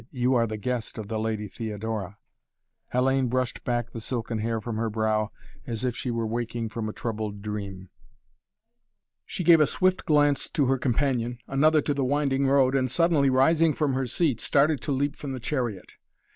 "You are the guest of the Lady Theodora." Hellayne brushed back the silken hair from her brow as if she were waking from a troubled dream. She gave a swift glance to her companion, another to the winding road and, suddenly rising from her seat, started to leap from the chariot.